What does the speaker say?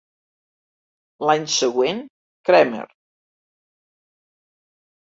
L'any següent, Cramer.